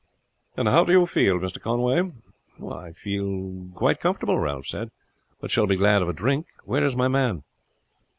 "How do you feel, Mr. Conway?" "I feel quite comfortable," Ralph said, "but shall be glad of a drink. Where is my man?"